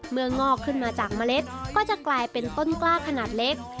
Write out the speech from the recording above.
งอกขึ้นมาจากเมล็ดก็จะกลายเป็นต้นกล้าขนาดเล็ก